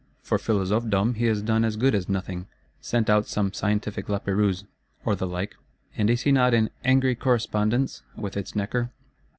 For Philosophedom he has done as good as nothing,—sent out some scientific Lapérouse, or the like: and is he not in "angry correspondence" with its Necker?